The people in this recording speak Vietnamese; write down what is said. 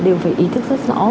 đều phải ý thức rất rõ